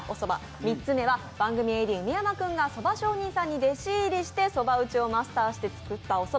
３つ目は番組ＡＤ・梅山君が福田さんに弟子入りしてそば打ちをマスターして作ったおそば。